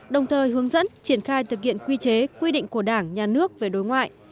đồng thời hướng dẫn triển khai thực hiện quy chế quy định của đảng nhà nước về đối ngoại